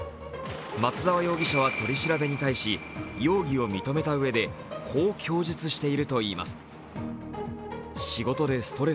松沢容疑者は取り調べに対し、容疑を認めたうえで、こう供述しているといいます。